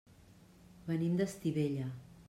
Venim d'Estivella.